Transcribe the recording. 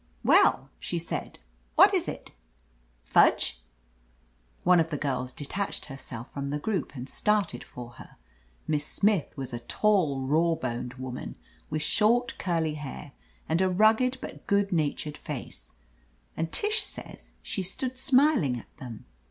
"Weill" she said, "what is it? Fudge?" One of the girls detached herself from the group and started for her. Miss Smith was a tall, raw boned woman, with short, curly hair and a rugged but good natured face, and Tish says she stood smiling at them.